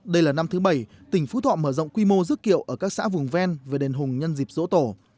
đây là năm thứ bảy tỉnh phú thọ mở rộng quy mô rước kiệu ở các xã vùng ven về đền hùng nhân dịp dỗ tổ